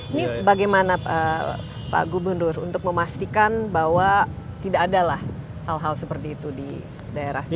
ini bagaimana pak gubernur untuk memastikan bahwa tidak ada lah hal hal seperti itu di daerah sini